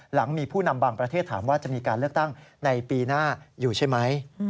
หลังมีผู้นำบางประเทศถามว่าจะมีการเลือกตั้งในปีหน้าอยู่ใช่ไหม